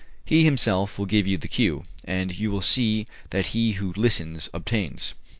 He himself will give you the cue, and you will see that he who listens obtains.